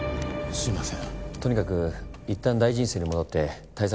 すいません。